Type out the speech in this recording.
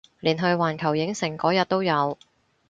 連去環球影城嗰日都有